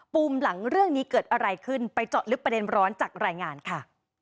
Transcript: มหลังเรื่องนี้เกิดอะไรขึ้นไปเจาะลึกประเด็นร้อนจากรายงานค่ะ